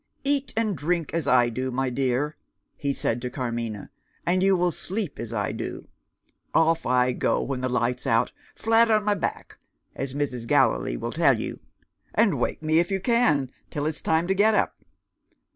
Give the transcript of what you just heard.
"Eat and drink as I do, my dear," he said to Carmina; "and you will sleep as I do. Off I go when the light's out flat on my back, as Mrs. Gallilee will tell you and wake me if you can, till it's time to get up.